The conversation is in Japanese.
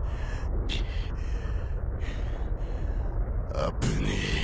危ねえ。